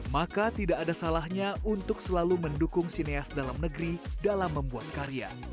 maka tidak ada salahnya untuk selalu mendukung sineas dalam negeri dalam membuat karya